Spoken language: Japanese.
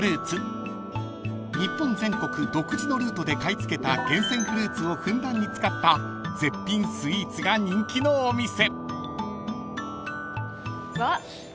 ［日本全国独自のルートで買い付けた厳選フルーツをふんだんに使った絶品スイーツが人気のお店］